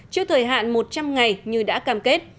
trước thời hạn một trăm linh ngày như đã cam kết